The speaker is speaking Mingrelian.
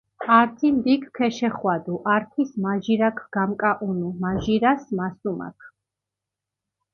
ართი ნდიქ ქეშეხვადუ, ართის მაჟირაქ გამკაჸუნუ, მაჟირას მასუმაქ.